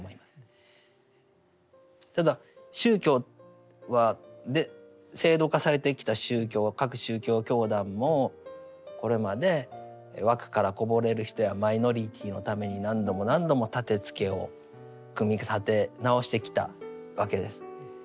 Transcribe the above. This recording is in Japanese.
ただ宗教は制度化されてきた宗教は各宗教教団もこれまで枠からこぼれる人やマイノリティーのために何度も何度も立てつけを組み立て直してきたわけです。